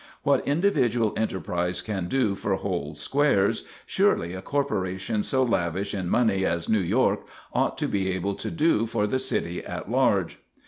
What individual enterprise can do for whole squares, surely a corporation so lavish in money as New York ought to be able to do for the city at large.